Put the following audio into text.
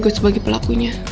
diego sebagai pelakunya